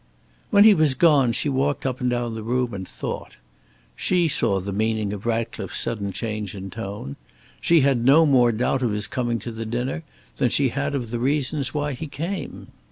When he was gone, she walked up and down the room and thought. She saw the meaning of Ratcliffe's sudden change in tone. She had no more doubt of his coming to the dinner than she had of the reason why he came.